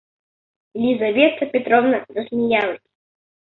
Лизавета Петровна засмеялась.